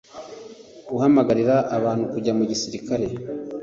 Guhamagarira abantu kujya mu gisirikare